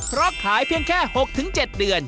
เพราะขายเพียงแค่๖๗เดือน